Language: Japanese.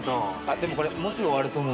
でもこれもうすぐ終わると思うんで。